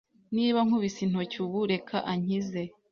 Niba nkubise intoki ubu, reka ankize